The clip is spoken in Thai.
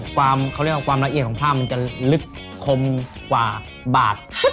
ความละเอียดของถ้ามันจะลึกคมกว่าบาท